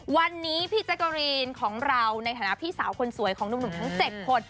วันนี้พี่แจ๊กกะรีนของเราในฐานะพี่สาวคนสวยของหนุ่มทั้ง๗คน